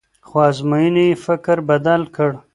خو ازموینې یې فکر بدل کړ.